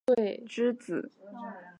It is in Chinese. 晋国伯宗之子。